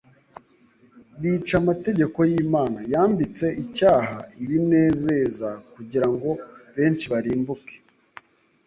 bicamategeko y’Imana. Yambitse icyaha ibinezeza kugira ngo benshi barimbuke.